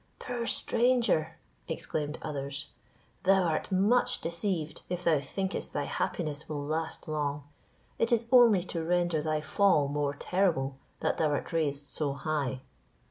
"Poor stranger!" exclaimed others, "thou art much deceived, if thou thinkest thy happiness will last long. It is only to render thy fall more terrible, that thou art raised so high."